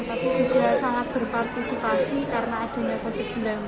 tapi juga sangat berpartisipasi karena adanya covid sembilan belas